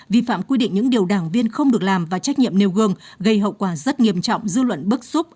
vi phạm quy định những điều đảng viên không được làm và trách nhiệm nêu gương gây hậu quả rất nghiêm trọng dư luận bức xúc